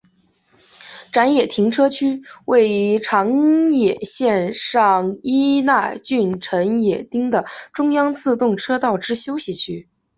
辰野停车区是位于长野县上伊那郡辰野町的中央自动车道之休息区。